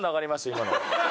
今の。